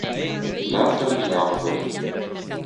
Nathalie Lambert